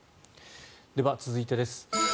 では、続いてです。